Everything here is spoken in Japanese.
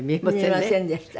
見えませんでした。